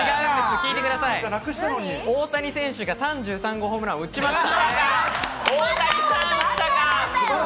聞いてください、大谷選手が３３号ホームランを打ちました。